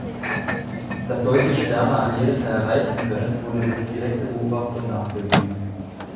Dass solche Schwärme Amerika erreichen können, wurde durch direkte Beobachtung nachgewiesen.